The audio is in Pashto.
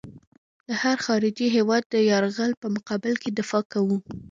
د هر خارجي هېواد د یرغل په مقابل کې دفاع کوو.